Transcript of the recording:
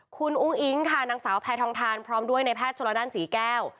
คุณอุ้งอิ๊งค่ะนางสาวแพทองทานพร้อมด้วยในแพทย์ชนละด้านศรีแก้ว